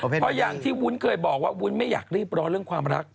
เพราะอย่างที่วุ้นเคยบอกว่าวุ้นไม่อยากรีบร้อนเรื่องความรัก